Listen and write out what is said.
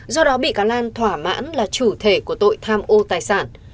do đó bị cáo lan thỏa mãn là chủ thể của tội tham ô tài sản